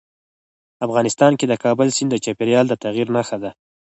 افغانستان کې د کابل سیند د چاپېریال د تغیر نښه ده.